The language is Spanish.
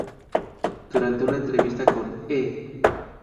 Durante una entrevista con E!